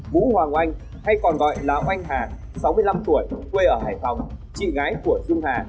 vũ hoàng oanh hay còn gọi là oanh hà sáu mươi năm tuổi quê ở hải phòng chị gái của dung hà